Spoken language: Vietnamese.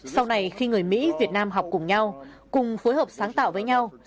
sau này khi người mỹ việt nam học cùng nhau